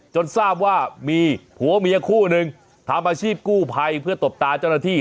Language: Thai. จนทราบว่ามีผัวเมียคู่หนึ่งทำอาชีพกู้ภัยเพื่อตบตาเจ้าหน้าที่